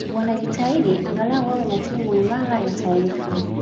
wanajitahidi angalau wawe na timu imarabya ya taifa